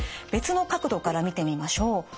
別の角度から見てみましょう。